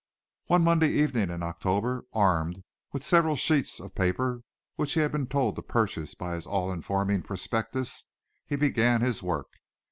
One Monday evening in October, armed with the several sheets of paper which he had been told to purchase by his all informing prospectus, he began his work.